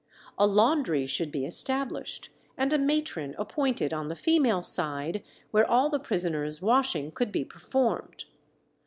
A laundry should be established, and a matron appointed on the female side, where all the prisoners' washing could be performed.